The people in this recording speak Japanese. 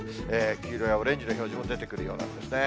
黄色やオレンジの表示も出てくるようなんですね。